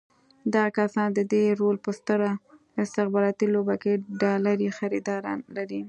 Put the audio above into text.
دغه کسان د دې رول په ستره استخباراتي لوبه کې ډالري خریداران لري.